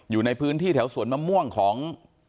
อยู่ในพื้นที่แถวสวนมะม่วงของ